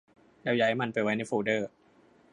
แล้วย้ายมันไปไว้ในโฟลเดอร์